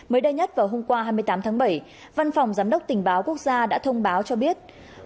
mới đây nhất vào hôm qua hai mươi tám tháng bảy văn phòng giám đốc tình báo quốc gia đã thông báo cho biết